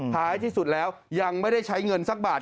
ท้ายที่สุดแล้วยังไม่ได้ใช้เงินสักบาท